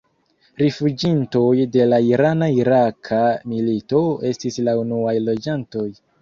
Rifuĝintoj de la irana-iraka milito estis la unuaj loĝantoj.